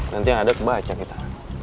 nanti ada kebacang kita